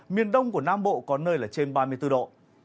miền đông của nam bộ có nơi là trên ba mươi bốn độ